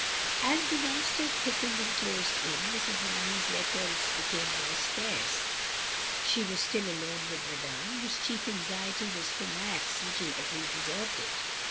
As disasters thickened and closed in, Mrs. Har ney's letters became more scarce. She was still alone with Madame, whose chief anxiety was for Max, little as he deserved it.